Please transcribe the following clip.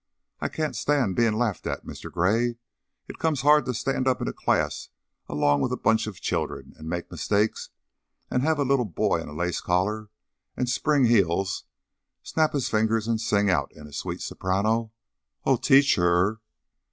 I can't stand bein' laughed at, Mr. Gray. It comes hard to stand up in a class along with a bunch of children and make mistakes and have a little boy in a lace collar and spring heels snap his fingers and sing out in a sweet soprano, 'Oh, tee _cher!